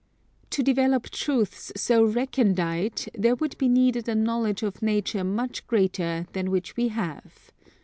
To develop truths so recondite there would be needed a knowledge of nature much greater than that which we have.